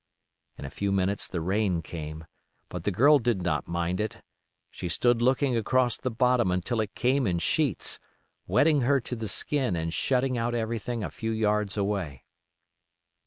In a few minutes the rain came; but the girl did not mind it. She stood looking across the bottom until it came in sheets, wetting her to the skin and shutting out everything a few yards away.